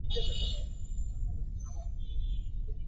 মোহন কিছু উত্তর না দিয়া হিসাবের খাতা খুলিয়া লিখিতে বসিলেন।